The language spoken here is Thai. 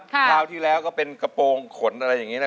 คราวที่แล้วก็เป็นกระโปรงขนอะไรอย่างนี้นะ